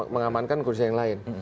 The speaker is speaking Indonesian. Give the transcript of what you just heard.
mengamankan urusan yang lain